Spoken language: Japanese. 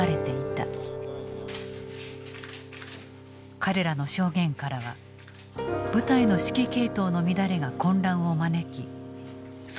彼らの証言からは部隊の指揮系統の乱れが混乱を招き損失を広げた実態が見えてきた。